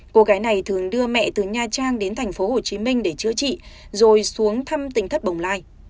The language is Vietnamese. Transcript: cô gái này thường đưa mẹ từ nha trang đến tp hcm để chữa trị rồi xuống thăm tỉnh thất bồng lai